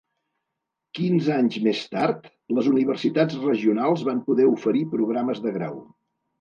Quinze anys més tard, les universitats regionals van poder oferir programes de grau.